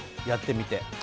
やってみて。